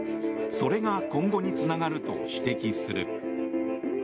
それが今後につながると指摘する。